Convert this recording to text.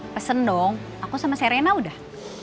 pesen dong aku sama serena udah